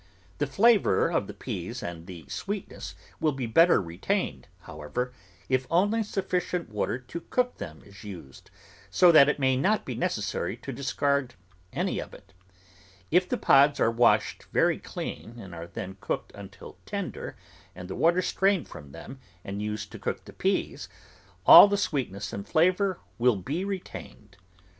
The flavour of the peas and the sweetness will be better retained, however, if only sufficient water to cook them is used, so that it may not be necessary to discard any of it. If the pods are washed very clean and are then cooked until tender and the water strained from them and used to cook the peas, all the sweetness and flavour will be retained.